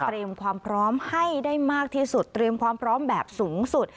ความพร้อมให้ได้มากที่สุดเตรียมความพร้อมแบบสูงสุด